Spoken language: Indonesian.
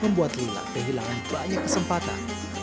membuat lila kehilangan banyak kesempatan